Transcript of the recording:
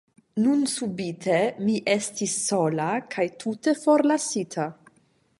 Nun subite mi estis sola kaj tute forlasita.